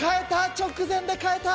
直前で変えた。